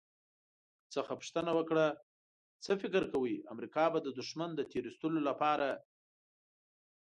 څخه پوښتنه وکړه «څه فکر کوئ، امریکا به د دښمن د تیرایستلو لپاره»